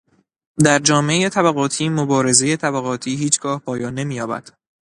در جامعهٔ طبقاتی مبارزهٔ طبقاتی هیچگاه پایان نمییابد.